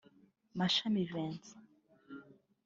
Mashami Vincent